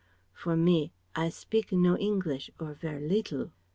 For me, I spik no English or ver' leetle."